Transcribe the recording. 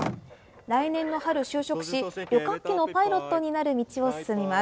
来年の春、就職し、旅客機のパイロットになる道を進みます。